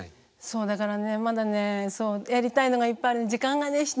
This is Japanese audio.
そうだからねまだねやりたいのがいっぱいある。